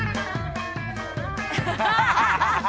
ハハハハ！